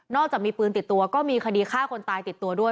จากมีปืนติดตัวก็มีคดีฆ่าคนตายติดตัวด้วย